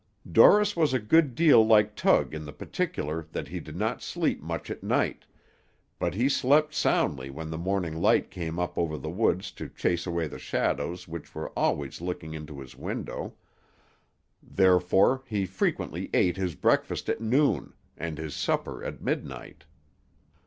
Dorris was a good deal like Tug in the particular that he did not sleep much at night, but he slept soundly when the morning light came up over the woods to chase away the shadows which were always looking into his window; therefore he frequently ate his breakfast at noon, and his supper at midnight.